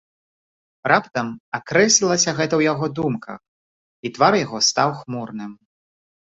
Раптам акрэслілася гэта ў яго думках, і твар яго стаў хмурным.